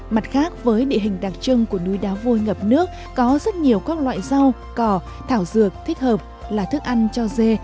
mặt khác với địa hình đặc trưng của núi đá vôi ngập nước có rất nhiều các loại rau cỏ thảo dược thích hợp là thức ăn cho dê